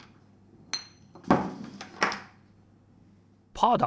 パーだ！